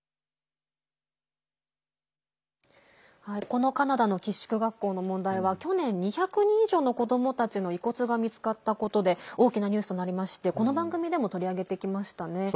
このカナダの寄宿学校の問題は去年、２００人以上の子どもたちの遺骨が見つかったことで大きなニュースとなりましてこの番組でも取り上げてきましたね。